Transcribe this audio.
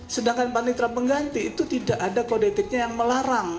sedangkan panitra pengganti itu tidak ada kode etiknya yang melarang